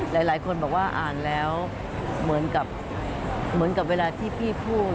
หลายคนบอกว่าอ่านแล้วเหมือนกับเวลาที่พี่พูด